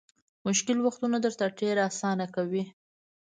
مشکل وختونه درته ډېر اسانه کوي.